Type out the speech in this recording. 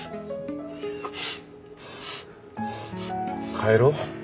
帰ろう。